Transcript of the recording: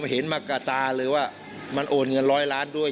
เห็นมากะตาเลยว่ามันโอนเงินร้อยล้านด้วย